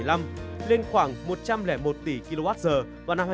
lên khoảng ba bảy triệu tấn sản phẩm dầu vào năm hai nghìn ba mươi